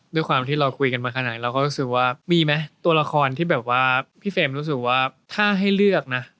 ด้วยความที่เราคุยกันมาขนาดนั้นเราก็รู้สึกว่ามีไหมตัวละครที่แบบว่าพี่เฟรมรู้สึกว่าถ้าให้เลือกนะ